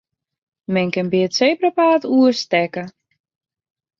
Men kin by it sebrapaad oerstekke.